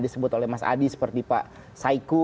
disebut oleh mas adi seperti pak saiku